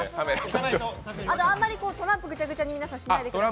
あんまりトランプぐちゃぐちゃにしないでくださいね。